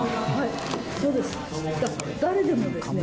誰でもですね